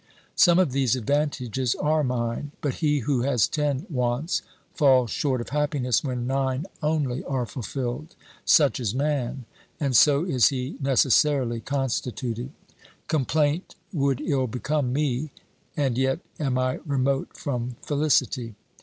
Some of these advantages are mine, but he who has ten wants falls short of happiness when nine only are fulfilled ; such is man, and so is he necessarily constituted. 1 OBERMANN 313 Complaint would ill become me, and yet am I remote from felicity.